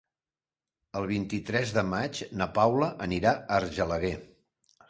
El vint-i-tres de maig na Paula anirà a Argelaguer.